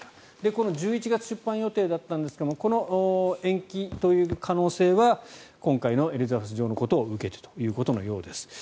この１１月出版予定立ったんですがこの延期という可能性は今回のエリザベス女王のことを受けてということのようです。